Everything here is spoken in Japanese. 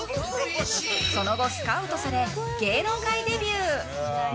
その後、スカウトされ芸能界デビュー。